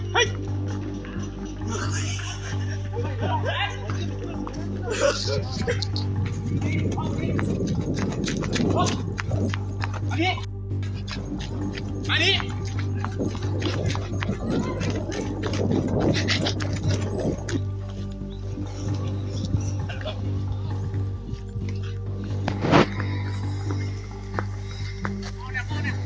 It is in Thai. หน่อย